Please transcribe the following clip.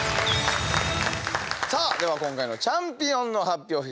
さあでは今回のチャンピオンの発表